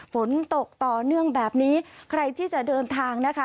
ฝนตกต่อเนื่องแบบนี้ใครที่จะเดินทางนะคะ